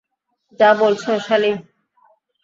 যা বলেছো, সালি!